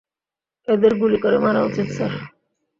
এদের গুলি করে মারা উচিত, স্যার।